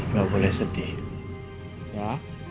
nggak boleh sedih ya